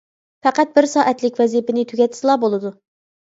پەقەت بىر سائەتلىك ۋەزىپىنى تۈگەتسىلا بولىدۇ.